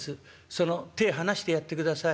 その手離してやってください。